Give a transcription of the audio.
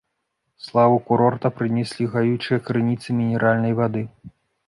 Славу курорта прынеслі гаючыя крыніцы мінеральнай вады.